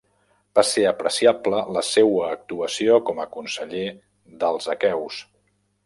Va ser apreciable la seua actuació com a conseller dels aqueus.